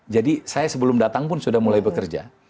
jadi saya sebelum datang pun sudah mulai bekerja